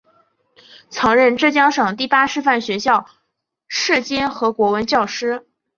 曾任浙江省第八师范学校舍监和国文教师。